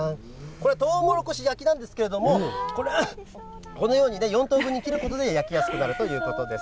これ、とうもろこし焼きなんですけれども、これ、このように４等分に切ることで、焼きやすくなるということです。